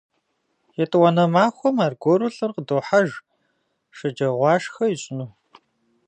Етӏуанэ махуэм аргуэру лӏыр къыдохьэж шэджагъуашхэ ищӏыну.